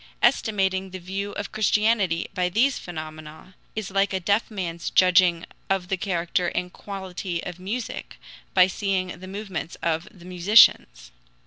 Estimating the value of Christianity by these phenomena is like a deaf man's judging of the character and quality of music by seeing the movements of the musicians.